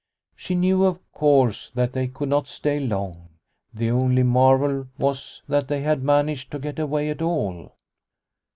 She knew, of course, that they could not stay long, the only marvel was that they had managed to get away at all.